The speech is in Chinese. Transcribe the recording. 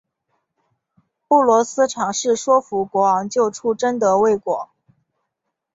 布罗斯尝试说服国王救出贞德未果。